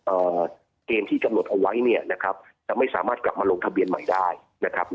เอ่อเกณฑ์ที่กำหนดเอาไว้เนี่ยนะครับจะไม่สามารถกลับมาลงทะเบียนใหม่ได้นะครับ